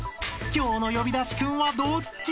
［今日の呼び出しクンはどっち？］